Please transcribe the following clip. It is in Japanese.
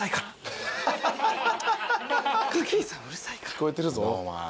聞こえてるぞ。